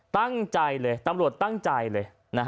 ตั้งใจเลยตำรวจตั้งใจเลย